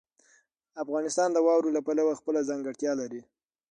افغانستان د واورو له پلوه خپله ځانګړتیا لري.